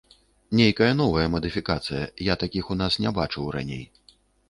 Нейкая новая мадыфікацыя, я такіх у нас не бачыў раней.